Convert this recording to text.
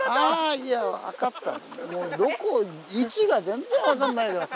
もうどこ位置が全然分かんないから。